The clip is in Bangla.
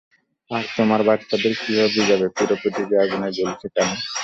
আর তোমার বাচ্চাদের কিভাবে বোঝাবে পুরো পৃথিবী আগুনে জ্বলছে কেন।